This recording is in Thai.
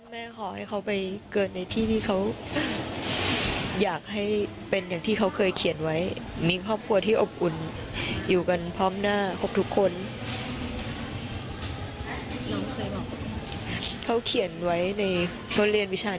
แต่เขาเขียนว่าเขาอยากมีครอบครัวที่อบคุณก็ไม่เป็นไรค่ะ